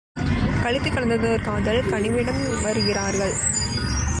களித்துக் கலந்ததோர் காதல் கனிவுடன் வருகிறார்கள்.